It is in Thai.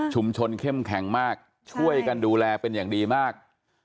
เข้มแข็งมากช่วยกันดูแลเป็นอย่างดีมาก